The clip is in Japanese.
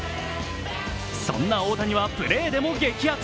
そんな大谷は、プレーでも激アツ。